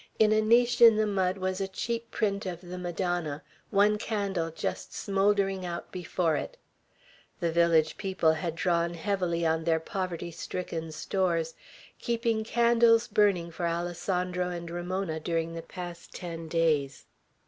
In a niche in the mud wall was a cheap print of the Madonna, one candle just smouldering out before it. The village people had drawn heavily on their poverty stricken stores, keeping candles burning for Alessandro and Ramona during the past ten days.